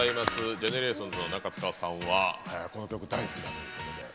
ＧＥＮＥＲＡＴＩＯＮＳの中務さんはこの曲、大好きだということで。